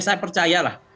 saya percaya lah